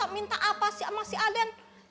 minta apa sih sama si aden